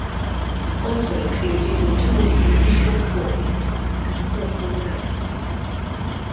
Also included were tools for visual portlet and portal development.